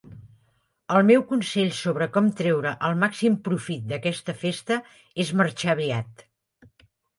El meu consell sobre com treure el màxim profit d'aquesta festa és marxar aviat.